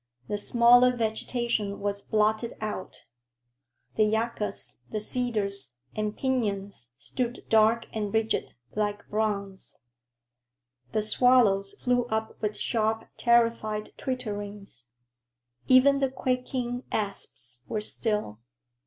The smaller vegetation was blotted out. The yuccas, the cedars, and piñons stood dark and rigid, like bronze. The swallows flew up with sharp, terrified twitterings. Even the quaking asps were still.